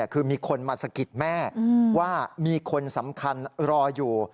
คือมีคนมาสะกิดแม่ว่ามีคนสำคัญรออยู่